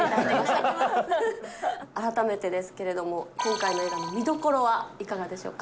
改めてですけれども、今回の映画の見どころはいかがでしょうか。